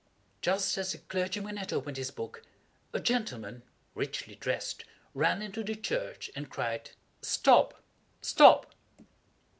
Just as the clergyman had opened his book, a gentleman, richly dressed, ran into the church and cried, "Stop! stop!"